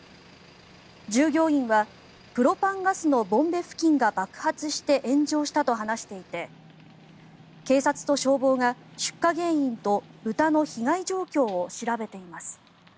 従業員はプロパンガスのボンベ付近が爆発して炎上したと話していて警察と消防が出火原因と豚の被害状況を調べています。